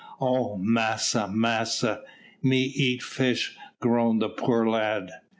"Oh! massa, massa, me eat fish," groaned the poor lad.